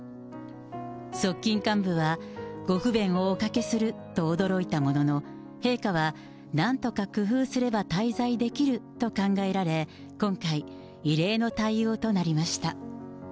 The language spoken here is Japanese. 側近幹部は、ご不便をおかけすると驚いたものの、陛下は、なんとか工夫すれば滞在できると考えられ、今回、異例の対応となりました。